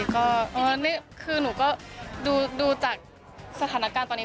ก็คือหนูก็ดูจากสถานการณ์ตอนนี้